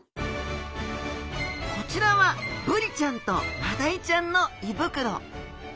こちらはブリちゃんとマダイちゃんの胃袋。